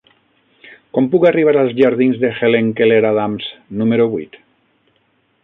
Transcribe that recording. Com puc arribar als jardins de Helen Keller Adams número vuit?